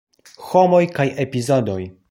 Homoj kaj epizodoj.